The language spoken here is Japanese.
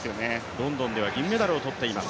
ロンドンでは銀メダルをとっています。